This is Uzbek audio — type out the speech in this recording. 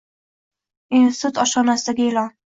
Insititut oshxonasidagi e'lon.